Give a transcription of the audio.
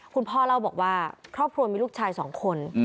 คุณพ่อเล่าบอกว่าครอบครัวมีลูกชาย๒คน